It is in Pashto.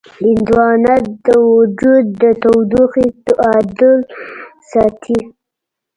هندوانه د وجود د تودوخې تعادل ساتي.